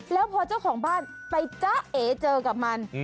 แล้วพอเจ้าของบ้านไปจ๊ะเอเจอกับมัน